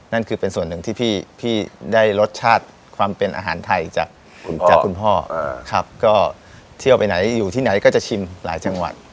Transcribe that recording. นั่นคือเป็นส่วนหนึ่งที่พี่ได้รสชาติความเป็นอาหารไทยจากคุณพ่อครับก็เที่ยวไปไหนอยู่ที่ไหนก็จะชิมหลายจังหวัด